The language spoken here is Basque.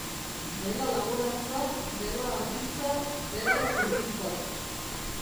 Dela laborantza, dela hargintza, dela zurgintza.